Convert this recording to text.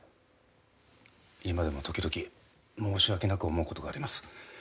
今でも時々申し訳なく思うことがあります。